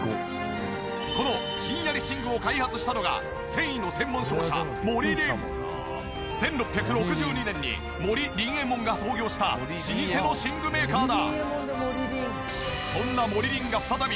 このひんやり寝具を開発したのが１６６２年に森林右衛門が創業した老舗の寝具メーカーだ。